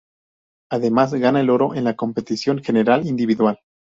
Además gana el oro en la competición general individual.